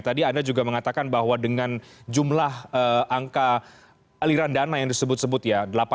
tadi anda juga mengatakan bahwa dengan jumlah angka aliran dana yang disebut sebut ya